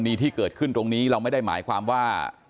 ที่เกิดขึ้นตรงนี้เราไม่ได้หมายความว่า